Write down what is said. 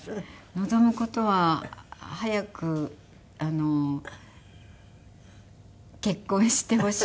望む事は早く結婚してほしいなって。